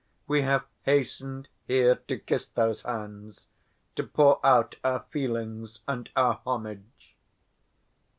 We have hastened here to kiss those hands, to pour out our feelings and our homage."